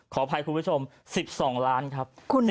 ขออภัยคุณผู้ชม๑๒ล้านครับ